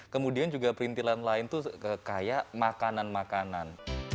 kemudian juga perintilan lain tuh kayak makanan makanan